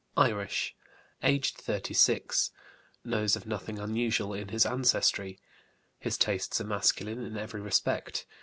Irish, aged 36; knows of nothing unusual in his ancestry. His tastes are masculine in every respect.